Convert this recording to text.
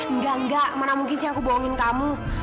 enggak enggak mana mungkin sih yang aku bohongin kamu